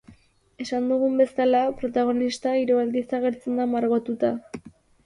Esan dugun bezala, protagonista hiru aldiz agertzen da margotuta.